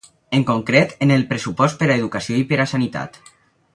En concret, en el pressupost per a educació i per a sanitat.